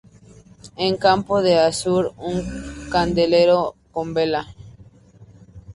En campo de azur, un candelero con vela.